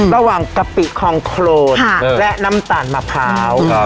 กะปิคองโครนและน้ำตาลมะพร้าว